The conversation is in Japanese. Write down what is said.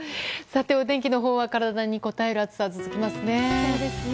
お天気のほうは体にこたえる暑さが続きますね。